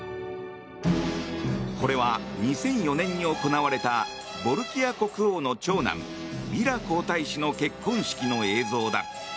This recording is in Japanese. これは２００４年に行われたボルキア国王の長男ビラ皇太子の結婚式の映像。